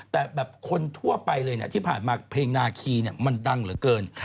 แต่คนทั่วไปเลยเนี่ยที่ผ่านมาเพลงนาฆีเนี่ยมันดังเหลือเกิน